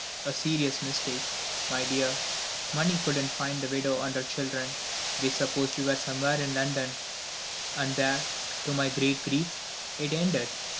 A serious mistake, my dear money couldn't find the widow and her children. We supposed you were somewhere in London; and there, to my great grief, it ended.